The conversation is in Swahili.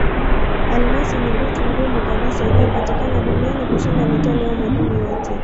Almasi ni dutu ngumu kabisa inayopatikana duniani kushinda metali au madini yote.